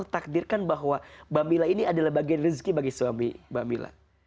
maka kita harus takdirkan bahwa mbak mila ini adalah bagian rizki bagi suami mbak mila